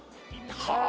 はあ！